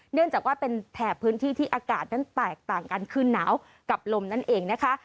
เนื่องจากว่าเป็นแถบพื้นที่ที่อากาศนั้นแตกต่างกันคือหนาวกับลมนั่นเองนะคะ